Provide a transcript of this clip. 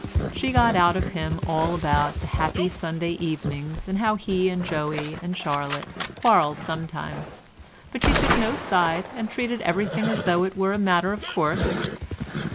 She got out of him all about the happy Sunday evenings, and how he and Joey and Charlotte quarrelled sometimes, but she took no side and treated everything as though it were a matter of course.